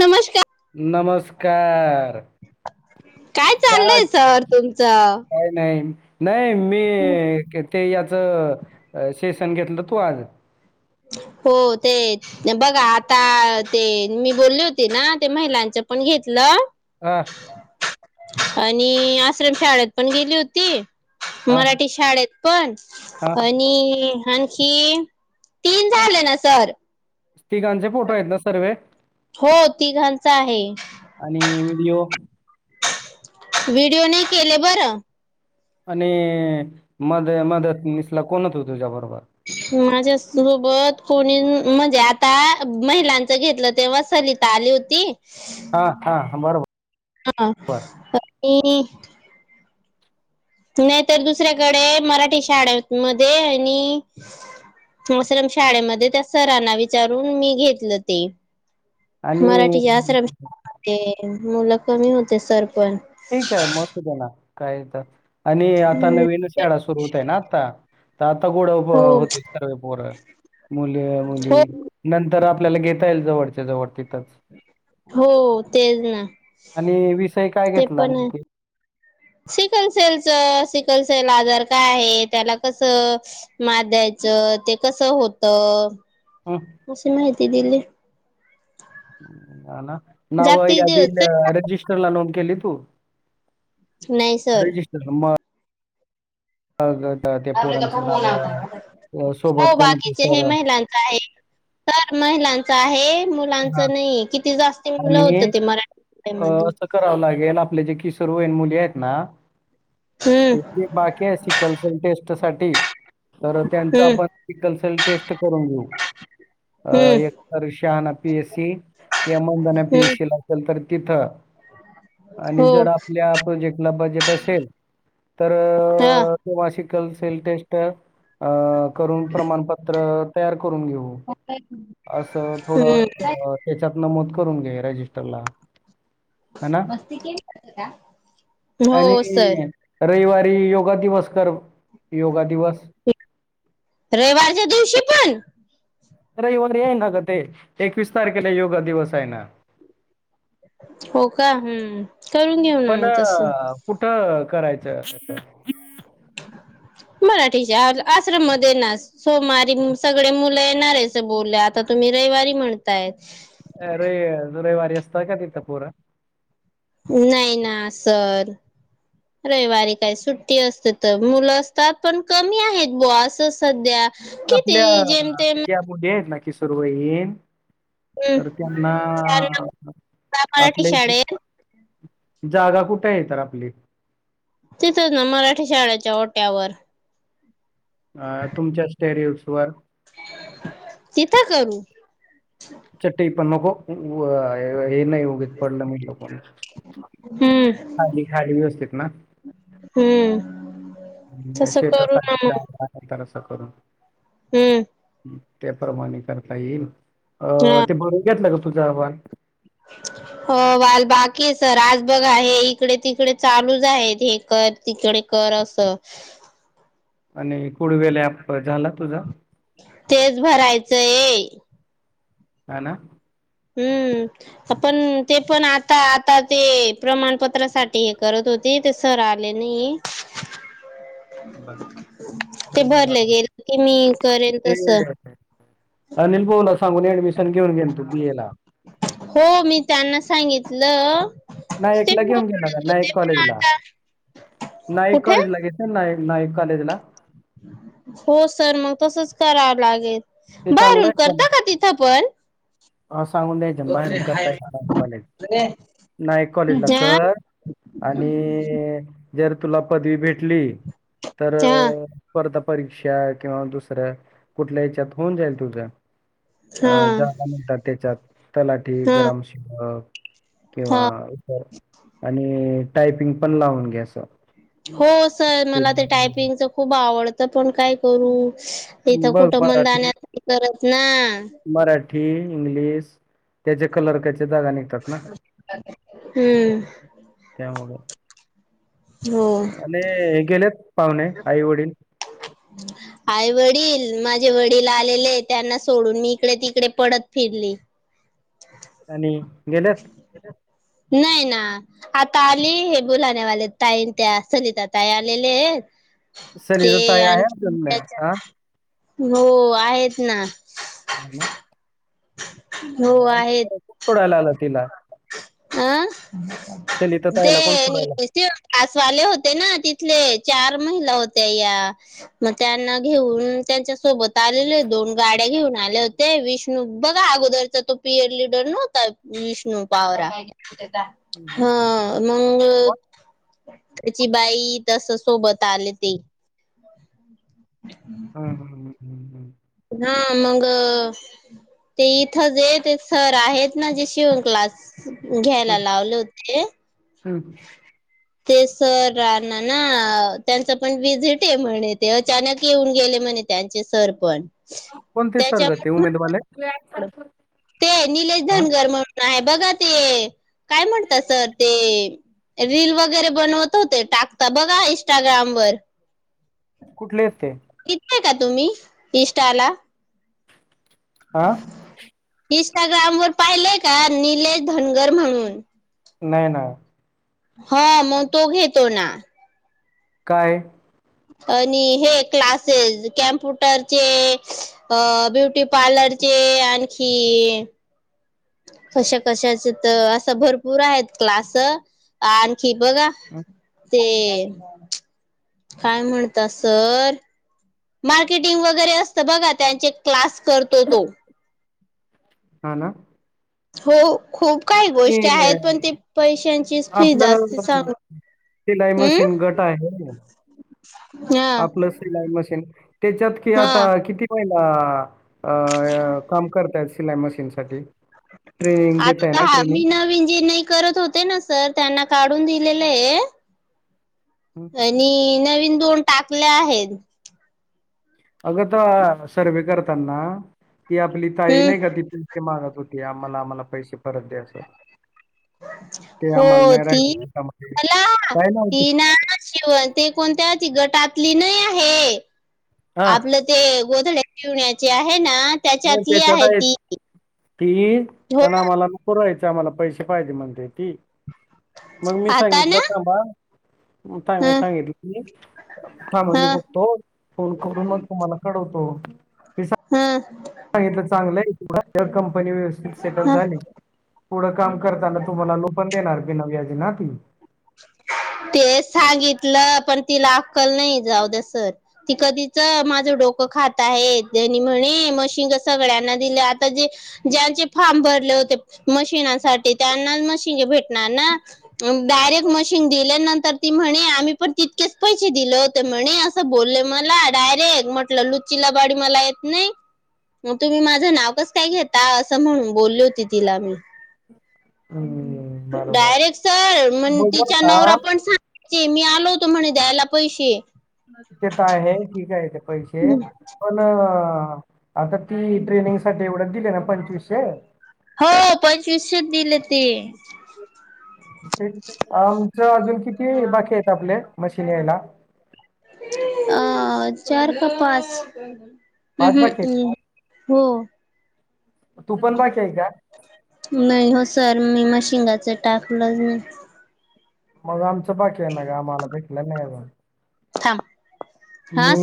नमस नमस्कार काय चाललय सर तुमचं काय नाही. नाही मी ते याचं सेशन घेतलं तू आज [unintelligible] हो ते बघा आता ते मी बोलली होते ना ते महिलांचं पण घेतलं. अं आणि आश्रम शाळेत पण गेली होती हां, मराठी शाळेत पण हां. आणि आणखी तीन झाले ना सर तिघांचे फोटो आहेत ना सर्व हो तिघांचा आहे. आणि व्हिडिओ व्हिडिओ नाही केले बरं आणि मद मदत मिसला कोण होत तुझ्या बर माझ्यासोबत होनीं म्हणजे आता महिलांचं घेतलं तेव्हा सरिता आली होती. हां, हां. बरोबर. हा ऐ नाही तर दुसऱ्याकडे मराठी शाळे मध्ये नी आश्रम शाळेमध्ये त्या सरांना विचारून मी घेतलं ते. आणि मराठीच्या आश्रम शाळेमध्ये मुलं कमी होते सर पण ठीक आहे म सूदेना काही तर आणि आता हम्म. नवीन शाळा सुरू होत आहे ना आता. आता गोड हो होतील सर्व पोर मुले हो मुली नंतर आप आपल्याला घेता येईल जवळच्या जवळ ते हो तेज ना आणि विषय काय घेतला ते सिकलसेलच सिकलसेल आजार काय आहे त्याला कसं मात द्यायच च ते कसं होत हं, अशी माहिती दिली. हा न नाव जागतिक यादीत दिवस रजिस्टरला नोंद केली तू नाही सर रजिस्टर नंबर अ ग आपला इथे खूप मुनापा हो सोबत कोणाचे बाकीचे सर हे महिलांच आहे. तर महिलांचं आहे हां मुलांचं नई किती जास्त मुलं होत ते मराठी अं शाळेमध्ये असं करावं लागेल आपले जे किशोर वइन मुली आहेत ना हम्म किती बाकी आहे सिकल्सन टेस्ट साठी तर त्यांच हम्म आपण सिकल्सन टेस्ट करून घेऊ. अ हम्म एकतर शहाणा पीएस या मुदीला हम्म पीएस सी ला केलत त तिथं. आणि हो जर आपल्या प्रोजेक्टला बजेट असेल तर हा ते मासिक टेल सेल टेस्ट अ करून प्रमाणपत्र तयार करून घेऊ. असं हम्म थोडं त्याच्यात नमद करून घे ह्या रजिस्टरला है ना? मस्ती केली होती का आणि हो सर रविवारी योगा दिवस करु ह रविवारच्या दिवशी पण रविवारी रहींना ग ते एकवीस तारखेला योगा दिवस आहे ना हो का हम्म करून घेऊ ना पण मग तसं कुठं करायचं अस्त ते सु मराठीच्या आश्रममध्ये ना सोमवारी सगळे मुलं येणार आहेच बोलले आता तुम्ही रविवारी म्हणतायत अरे रवि रविवारी असता का तिथं पूरा नाही ना सर, रविवारी काय सुट्टी असते तर मुलं असतात पण कमी आहेत बॉ अस सध्या आपल्या किती जेमतेम त्या मुली आहेत ना किसर वईन हम्म तर त्यांना त्यांना मराठी आपल्या शाळेत जागा कुठे तर आपली तिथं च ना मराठी शाळेच्या ओट्यावर अ तुमच्या स्टेरियस वर तिथे करू चट्टई पण नको ओ हे नाही उग पडलं मिडल तर हम्म खाली खाली व्यवस्थिथ ना हम्म तसं करू शेतख ना मग नंतर असं करून हम्म हं, त्याप्रमाणे करता येईल अ हा ते बर घ्याेतलं ग तुझं आ्हान हो वाल बाकी सर आज बघ हे इकडे तिकडे चालूच आहेत हे तर तिकडे कर अस आणि कुड वल्या झाला तुझा तेच भरायचं ये ह ना हम्म आपण ते पण आता आता ते प्रमाणपत्रासाठी हे करत होते ते सर आले नाही ते बरर भरले [inaudible] गेले की मी करेल ते तस अनिल बोला सांड [unintelligible] हो मी त्यांना सांगितलं नाईक ते ला हो घेऊन गेल म्हणत नाईक होते पण कॉलेजला आता नाईक कुठे कॉलेजला घे नाईक नाईक कॉलेजला. हो सर मग तसच करावं लागेल. ते चांगलं बारून आहे करता का तिथं पण अ, सांगून द्यायच्या बाहेर करताय काले. नाईक कॉलेजला हा कर आणि जर तुला पदवी भेटली तर हा परीक्षा किंवा दुसऱ्या कुठल्या याच्यात होऊन जाईल तुझ्या अ हा जागा म्हणतात त्याच्यात तलाठी हा ग्रम शिलक किंवा हा इतर आणि टायपिंग पण लावून घ्याचं हो सर मला ते टायपिंगच खूप आवडतं पण काय करू तथं बघ कुठंबण जाण्या मराठी करत ना कल जागा निघतात ना हम्म त्यामुळे हो आणि हे गेलेत पाहुणे आई वडील ह आई वडील माझे वडील आलेले त्यांना सोडून मी इकडे तिकडे पडत फिरली. आणि गेलेत नाही ना आता आली हे बुलाण्यावाले ताई त्या सलिता ताई आलेले. ते सलिताताई आहे आणखी अजून हा हो आहेत ना. ह म हो म आहेत. खूप सोडायला आला तिला [unintelligible] अं सलिताताईला कोण सोडायला ते कासवाले होते ना तिथलेच चार महिला होत्या या मग त्यांना घेऊन त्यांच्या सोबत आले दोन गाड्या घेऊन आले होते विष्णू बघा अगोदरचा तो पियर लीडर नव्हता विष्णू वावरा हम्म, ह हम्म, मग त्याची बाई तस सोबत आले ते. हम् हम्म हम्म. हा मग ते इथं जे ते सर आहेत ना जे शिवण क्लास घ्यायला लावले होते. हा ते सरना ना त्यांच पण विझिट आहे म्हणे ते अचानक येऊन गेले म्हण. त्यांचे सर पण कोणते त्याच्या वर्ग ते उमेदवार आहेत ते निलेश हा? धनगर म्हणून आहे. बघा ते काय म्हणत सर ते, रील वगैरे बनवत होते टाकता बघा इंस्टाग्राम वर, कुठले आहे ते तिथय का तुम्ही इन्स्टा आला. हा इनंस्टाग्राम वर पाहिलेय का निलेश धनगर म्हणून, नाही नाही. हो मग तो घेतो ना. काय आणि हे क्लासेस कॅम्प्युटरचे, ब्युटी पार्लरचे तेचे आणखी कशा कशाच तर असं भरपूर आहेत क्लास आण फी बघ का हम्म, ते काय म्हणता सर. मार्केटिंग वगैरे असत बघा त्यांचे क्लास करतो तो. हा ना, हो खूप काही ते गोष्टी आहेत पण ते पैशांची फी जास्त सांग शिलाई मशीन हम्म गट आहे. हा आपलं सिलाई मशीन त्याच्यात कि आता हा किती महि अ काम करताय सिलाई मशीन साठी ट्रेनिंग आता देतय ना. तर हा मी ट्रेनिंग नवीन जी नाही करत होते ना सर त्यांना काढून दिलेलं आहे. आणि नवीन दोन टाकल्या आहेत. अगं तर सर्वे करताना ती आपली ताई नाही हम्म का ति पके मागत होती आम्हाला आम्हाला पैसे परत द्याचं. हो ती मला काय नव्हते ती ना शिवण ती कोणत्या गटातली नाही आहे हा आपलं ते गोधड्या शीवण्याचे आहे ना, त्याच्यातली त्याच्यात आहे य ती. ती हो पण आम्हाला पुरयेत आम्हाला पैसे पाहिजे म्हणते ती मग मी आता ना सांगितलंथांबा. काय मग ह सांगितलं. हां मग ह मी बघतो फोन करून मग तुम्हाला कळवतो. मी हम्म सांगितलं चांगलं आहे [inaudible] कंपनी व्यवस्थित सेटल ह झाली. पुढं काम करताना तुम्हाला लोन पण देणार बिना व्याजनं आ ती ते सांगितलं पण तिला अक्कल नाही जाऊद्या सर, ती कधीच माझं डो डोकं खात आहेत त्यानी म्हणे मशिन जर सगळ्यांना दिले आता जे ज्यांचे फार्म भर होते, मशीनासाठी त्यांनाच मशीन भेटणार ना, मग डायरेक्ट मशीन दिल्यानंतर ती म्हणे, आम्ही पण तितकेच पैसे दिले होते म्हणे असं बोलले मला रा डायरेक्ट म्हटलं लुच्ची लबाडी मला येत नाही? मग तुम्ही माझं नाव कसं काय घेता असं म्हणून बोलली होती तिला मी. हम डायरेक्ट सर मण तिच्या आता नवरा पण सांगाय ची मी आलो होतो म्हणे द्यायला पैसे. ते तर आहे ठीक आहे ते पैसे पण अ हा, आता ती ट्रेनिंगसाठी एवढं दिले ना पंचवीसशे हो पंचवीसशेच दिले ते. ते आमचं अजून किती बाकी आहेत आपले मशीन यायला? अ चार का पाच, हम पाच बाकी आहेत हम हो तू पण बाकी आहे का नाही हस सर मी मशिंगाचं टाकलंच ना मग आमचं बाकी आहे ना मग आम्हाला भेटणार नाही मग थां मी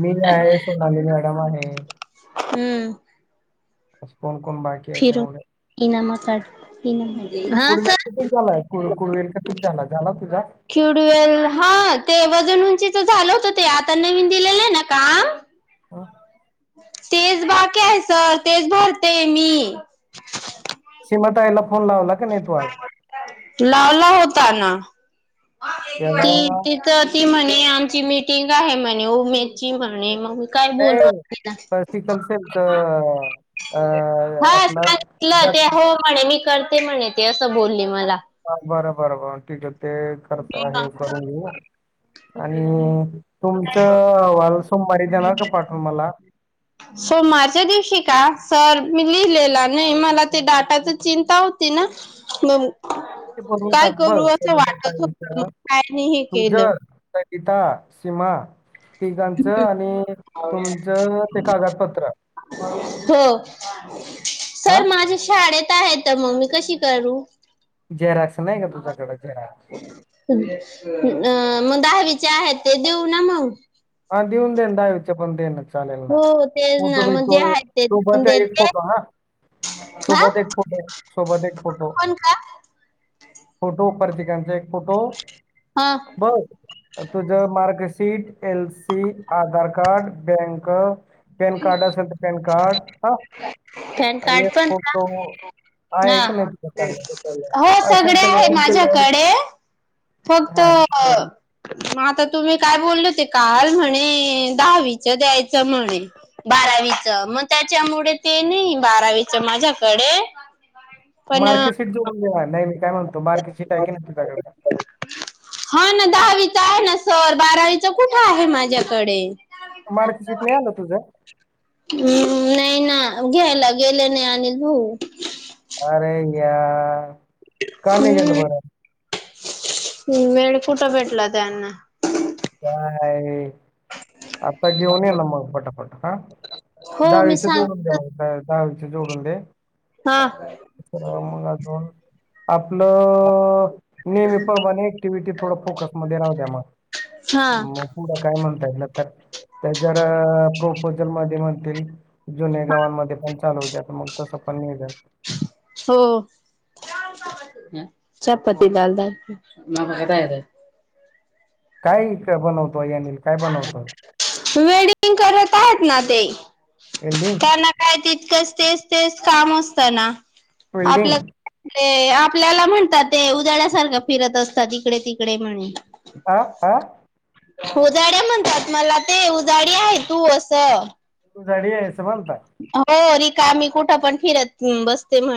मी आहे, सोनाली मॅडम आहे. हम्म [unintelligible] आहे ते फिरु मुलं किनामासाठी [inaudible] हा कुडवेल किती सर, झालाय कुड कुडवेल किती झाला झाला तुझा ख्युडवेल हा ते वजन उंचीचं झालं होतं ते आता नवीन दिलेलं आहे ना काम हो तेच बाकी आहे सर तेच भरते मी. सीमा ताईला फोन लावला का नाही तू आज लावला होता ना. ती त्याला तिथं ती म्हणे आमची मिटिंग आहे म्हणे उमेची म्हणे मग काय बोलणार नाही तिला स्पिकल सेटचं हा सांगितलं, ते जाती- हो म्हणे मी करते म्हणे ते असं बोलली मला हा बरं बरं बर ठीक आहे ते करता हे करून घेऊ आणि तुमचं अहवाल सोमवारी देणार का पाठून मला? सोमारच्या दिवशी का? सर मी लिहिलेला नाही मला ते डाटाचं चिंता होती ना म [unintelligible] [inaudible] टाक बघ तुझ होत मग काय नाही हे केलं संगीता, सीमा तिघांचं आणि तुमचं ते कागदपत्रं हो, हा सर माझ्या शाळेत आहेत तर म मी कशी करू? झेराक्स नाही का तुझ्याकडे जेराक्स? अ मग दहावीचे आहेत ते देऊ ना मग? हा देऊन दे ना दहावीचे पण दे ना चालेल ना, हो तेच फोटो ना मग जे बिटो आहे ते लिहून सोबत एक देते. फोटो हा हा सोबत एक फोटो सोबत एक फोटो, पण का? फोटो परत [inaudible] एक फोटो हा बर तुझं marksheet - L C, Aadhaar card, bank PAN card असेल तर पॅन कार्ड हा पॅन कार्ड एक पण का फोटो आहे हा का नाही तुझ्याकडे हो सगळे असेल तर आहे लावून माझ्याकडे फक्त हा मग आता तुम्ही काय बोलले होते काल म्हणे दहावीच द्यायचं म्हणे बारावीच मग त्याच्यामुळे ते नाही बारावीच माझ्याकडे पण अ, मार्कीेशीीट जोडून घे नाही मी काय म्हणतो मार्कीेशीीट आहे की नाही तुझ्याकड हा ना दहावीचा आहे ना सर बारावीचा कुठे आहे माझ्याकडे मार्कशीीट नाही आलं तुझं हम् नाही ना घ्यायला गेलं नाही अनिल भाऊ आरे यार का नाही गेलं बर ह् वेळ कुठं भेटला त्यांना काय आता घेऊन ये ना मग फटाफट हा हो मी दहावीच जोडून दे सांगितलं मला दहावीच्या जोडून दे हा मग अजून आपलं नेहमी पण क्टिव्हटी थोड फोकसमध्येध्ये राह त्या मग हा मग पुढं काय म्हणता येईल तर त्या जला प्रोपोजल मध्ये म्हणतील जुने गावांमध्ये पण चालू होते्या मग तसं पण नाही जा हो चहा पती लाल द म पघ काय बनवतो अनिल काय बनवतो वेडिंग करत आहेत ना ते बिल्डिंग त्यांना काय तितकंच तेच तेच काम असतं ना आपल्या फिल्डिंग ते आपल्याला म्हणतात ते उजळ्यासारखं फिरत असतात इकडे तिकडे म्हणे आह आा उजाड्या म्हणतात मला ते उजाडी आहे तू असं. तू जाडीस. हो रिका आम्ही कुठं पण फिरत बसते म्हण.